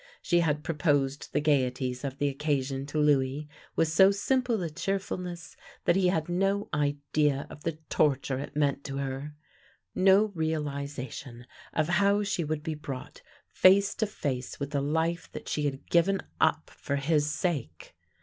She had pro posed the gaieties of the occasion to Louis with so simple a cheerfulness that he had no idea of the torture it meant to her; no realisation of how she would be brought face to face v/ith the life that she had given up for his sake.